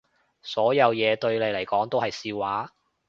所有嘢對你嚟講都係笑話